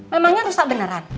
memangnya rusak beneran